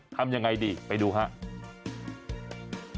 ทำยังไงดีไปดูครับ